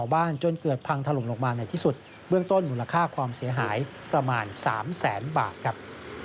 เบื้องต้นมูลค่าความเสียหายประมาณ๓๐๐๐๐๐บาทครับ